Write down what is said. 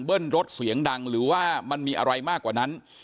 รถเสียงดังหรือว่ามันมีอะไรมากกว่านั้น